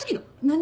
何？